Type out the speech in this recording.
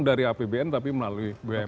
dari apbn tapi melalui bumn